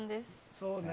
そうね。